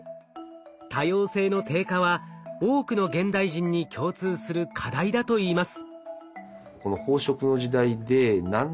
多様性の低下は多くの現代人に共通する課題だといいます。